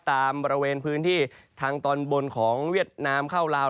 บริเวณพื้นที่ทางตอนบนของเวียดนามเข้าลาว